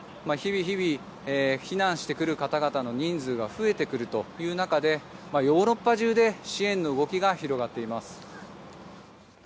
日々、避難してくる方々の人数が増えてくるという中でヨーロッパ中で支援の動きが広がっています。